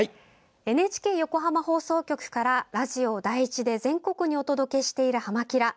ＮＨＫ横浜放送局からラジオ第１で全国にお届けしている「はま☆キラ！」。